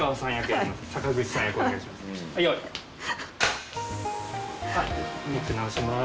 はい坂口さん役お願いします